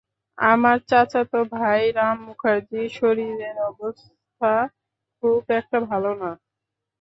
আমার চাচাতো ভাই রাম মুখার্জির শরীরের অবস্থা খুব একটা ভালো না।